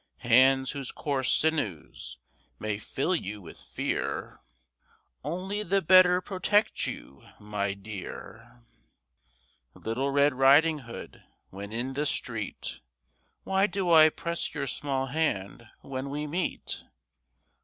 Hands whose coarse sinews may fill you with fear Only the better protect you, my dear! Little Red Riding Hood, when in the street, Why do I press your small hand when we meet?